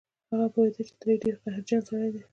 هغه پوهېده چې تره يې ډېر قهرجن سړی دی.